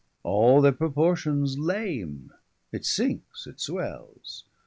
All their proportion's lame, it sinkes, it swels.